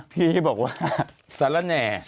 พี่บอกว่าสารแหน่